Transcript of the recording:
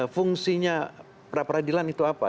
fungsinya pra peradilan itu apa